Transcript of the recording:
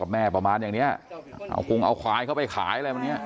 กับแม่ประมาณอย่างเนี้ยเอาควายเข้าไปขายอะไรแบบเนี้ย